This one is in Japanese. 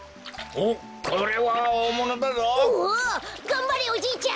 おがんばれおじいちゃん